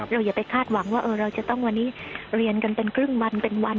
อย่าไปคาดหวังว่าเราจะต้องวันนี้เรียนกันเป็นครึ่งวันเป็นวัน